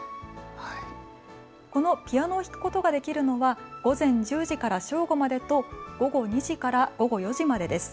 このピアノを弾くことができるのは午前１０時から正午までと午後２時から午後４時までです。